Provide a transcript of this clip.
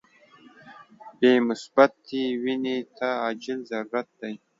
بی مثبت وینی ته عاجل ضرورت دي.